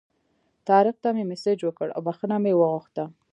طارق ته مې مسیج وکړ او بخښنه مې وغوښته.